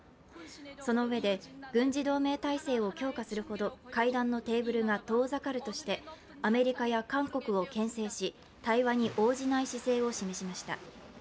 そのうえで軍事同盟体制を強化するほど会談のテーブルが遠ざかるとしてアメリカや韓国をけん制し対話に応じない姿勢を示しました。